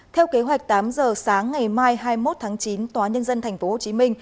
theo kế hoạch tám giờ sáng ngày mai hai mươi một tháng chín tòa nhân dân tp hcm